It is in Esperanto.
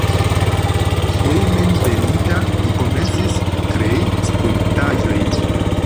Hejmenveninta li komencis krei skulptaĵojn.